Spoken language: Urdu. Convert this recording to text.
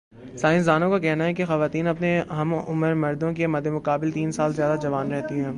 سائنس دانوں کا کہنا ہے کہ خواتین اپنے ہم عمر مردوں کے مدمقابل تین سال زیادہ جوان رہتی ہے